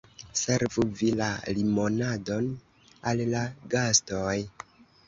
Servu vi la limonadon al la gastoj.